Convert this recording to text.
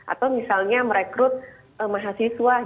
atau misalnya merekrut mahasiswa